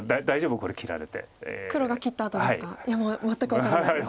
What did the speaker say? いやもう全く分からないです。